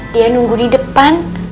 dia nunggu di depan